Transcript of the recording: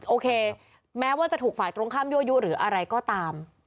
โอเคแม้ว่าจะถูกฝ่ายตรงข้ามยั่วยุหรืออะไรก็ตาม